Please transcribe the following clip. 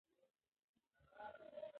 که ماشوم ته پوهه ورکړل شي، هغه دنیا روښانوي.